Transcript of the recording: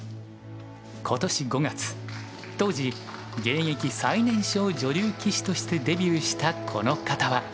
今年５月当時現役最年少女流棋士としてデビューしたこの方は。